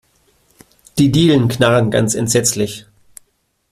Die Dielen knarren ganz entsetzlich.